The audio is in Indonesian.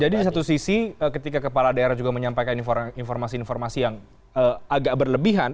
jadi di satu sisi ketika kepala daerah juga menyampaikan informasi informasi yang agak berlebihan